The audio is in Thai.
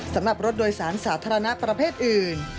สำหรับรถโดยสารสาธารณะประเภทอื่น